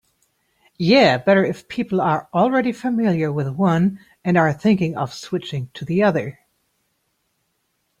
Yeah, better if people are already familiar with one and are thinking of switching to the other.